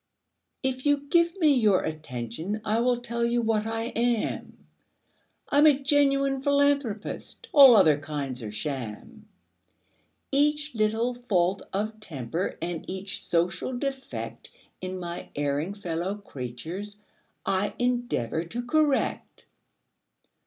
If you give me your attention, I will tell you what I am: I'm a genuine philanthropist all other kinds are sham. Each little fault of temper and each social defect In my erring fellow creatures, I endeavor to correct.